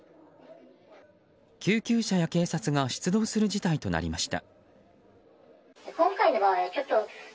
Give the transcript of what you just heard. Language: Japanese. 救急車や警察が出動する事態となりました。